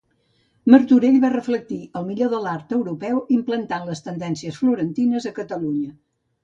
Martorell va reflectir el millor de l'art europeu, implantant les tendències florentines a Catalunya.